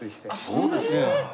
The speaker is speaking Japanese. そうですか。